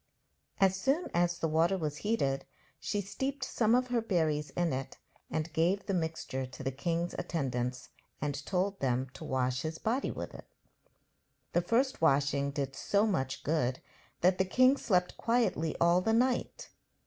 As soon as the water was heated she steeped some of her berries in it and gave the mixture to the king's attendants and told them to wash his body with it. The first washing did so much good that the king slept quietly all the night.